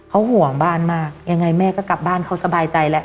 เขาห่วงบ้านมากยังไงแม่ก็กลับบ้านเขาสบายใจแล้ว